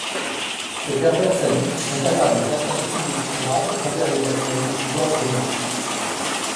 Ces pervers sadiques sont capables d'atteintes physiques graves envers les personnes, voire de meurtre.